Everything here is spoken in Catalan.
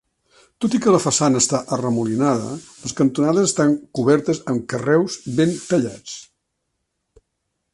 Tot i que la façana està arremolinada, les cantonades estan cobertes amb carreus ben tallats.